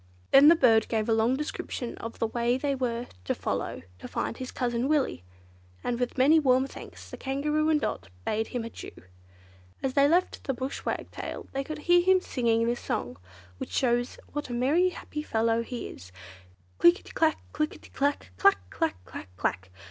Then the bird gave a long description of the way they were to follow to find his cousin Willy, and with many warm thanks the Kangaroo and Dot bade him adieu. As they left the Bush Wagtail they could hear him singing this song, which shows what a merry, happy fellow he is: Click i ti, click i ti clack! Clack! clack! clack! clack!